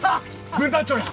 分団長や！